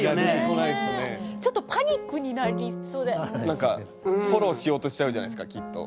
何かフォローしようとしちゃうじゃないですかきっと。